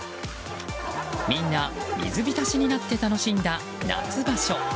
みんな水浸しになって楽しんだ夏場所。